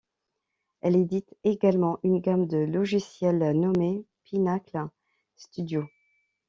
Elle édite également une gamme de logiciels nommée Pinnacle Studio.